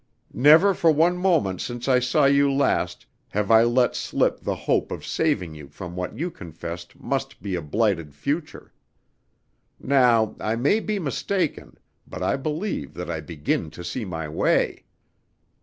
Never for one moment since I saw you last have I let slip the hope of saving you from what you confessed must be a blighted future. Now, I may be mistaken, but I believe that I begin to see my way!"